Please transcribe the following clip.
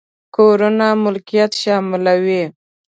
کورونو ملکيت شاملوي.